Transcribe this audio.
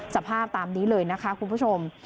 สภาพตามนี้เลยนะคะคุณผู้ชม